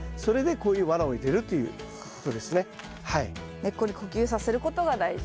根っこに呼吸させることが大事。